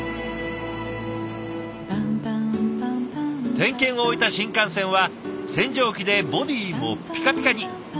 点検を終えた新幹線は洗浄機でボディーもピカピカに！